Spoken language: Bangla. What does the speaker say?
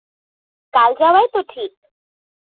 কাল যাওয়াই তো ঠিক?